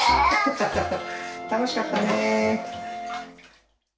たのしかったね！